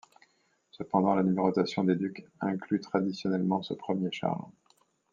Cependant la numérotation des ducs inclut traditionnellement ce premier Charles.